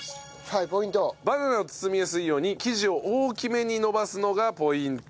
バナナを包みやすいように生地を大きめにのばすのがポイントです。